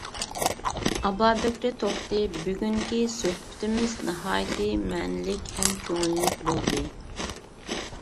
ئابابەكرى توختى: بۈگۈنكى سۆھبىتىمىز ناھايىتى مەنىلىك ھەم كۆڭۈللۈك بولدى.